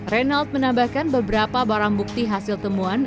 reynald menambahkan beberapa barang bukti hasil temuan